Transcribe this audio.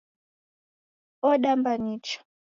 Odamba nicha